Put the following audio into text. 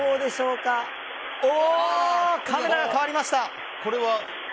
カメラが変わりました。